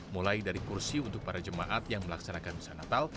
mulai dari kursi untuk para jemaat yang melaksanakan misa natal